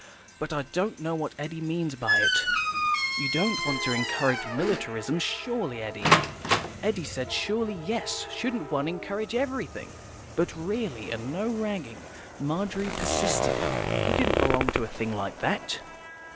But I don't know what Eddy means by it. You don't want to encourage militarism, surely, Eddy." Eddy said surely yes, shouldn't one encourage everything? But really, and no ragging, Margery persisted, he didn't belong to a thing like that?